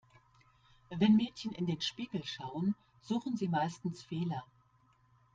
Wenn Mädchen in den Spiegel schauen, suchen sie meistens Fehler.